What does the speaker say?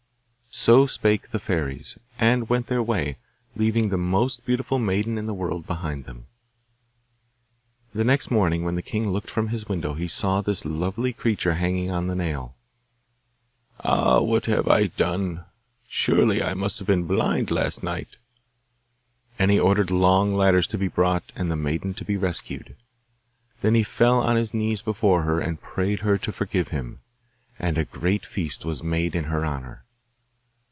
So spake the fairies, and went their way, leaving the most beautiful maiden in the world behind them. The next morning when the king looked from his window he saw this lovely creature hanging on the nail. 'Ah! what have I done? Surely I must have been blind last night!' And he ordered long ladders to be brought and the maiden to be rescued. Then he fell on his knees before her, and prayed her to forgive him, and a great feast was made in her honour.